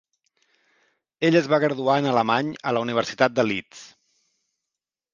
Ell es va graduar en alemany a la Universitat de Leeds.